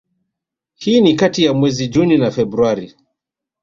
hii ni kati ya mwezi Juni na Februari